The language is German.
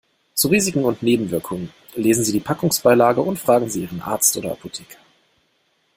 Zu Risiken und Nebenwirkungen lesen Sie die Packungsbeilage und fragen Sie Ihren Arzt oder Apotheker.